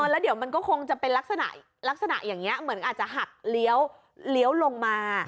แล้วเดี๋ยวมันก็คงจะเป็นลักษณะอย่างนี้เหมือนอาจจะหักเลี้ยวลงมา